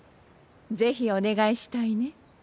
ぜひお願いしたいね。